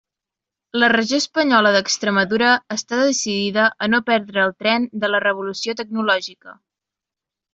La regió espanyola d'Extremadura està decidida a no perdre el tren de la revolució tecnològica.